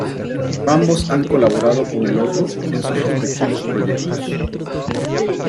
Ambos han colaborado con el otro en sus respectivos proyectos.